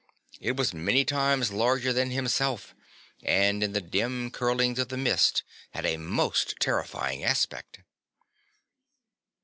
It was many times larger than himself and in the dim curlings of the mist had a most terrifying aspect.